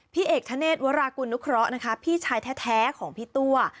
พี่เอกธเนศวรากุณุคระพี่ชายแท้ของพี่ตัว